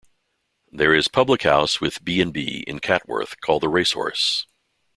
There is public house with B and B in Catworth called The Racehorse.